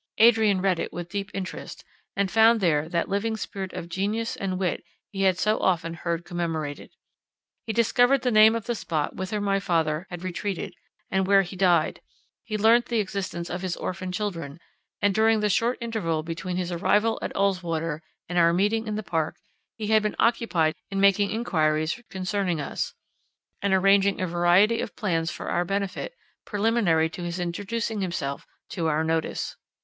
Adrian read it with deep interest; and found there that living spirit of genius and wit he had so often heard commemorated. He discovered the name of the spot whither my father had retreated, and where he died; he learnt the existence of his orphan children; and during the short interval between his arrival at Ulswater and our meeting in the park, he had been occupied in making inquiries concerning us, and arranging a variety of plans for our benefit, preliminary to his introducing himself to our notice.